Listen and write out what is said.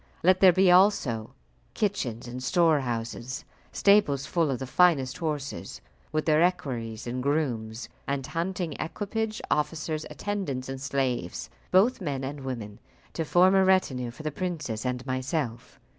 Let there be also kitchens and storehouses, stables full of the finest horses, with their equerries and grooms, and hunting equipage, officers, attendants, and slaves, both men and women, to form a retinue for the princess and myself.